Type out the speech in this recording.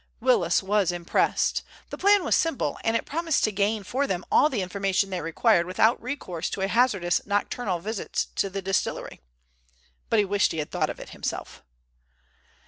Willis was impressed. The plan was simple, and it promised to gain for them all the information they required without recourse to a hazardous nocturnal visit to the distillery. But he wished he had thought of it himself.